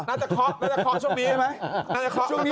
น่าจะคล็อกน่าจะคล็อกช่วงนี้